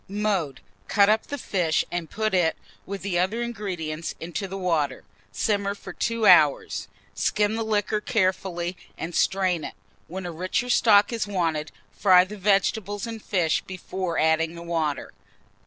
Mode. Cut up the fish, and put it, with the other ingredients, into the water. Simmer for 2 hours; skim the liquor carefully, and strain it. When a richer stock is wanted, fry the vegetables and fish before adding the water.